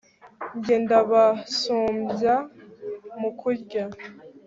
njye ndabasumbya mu kurya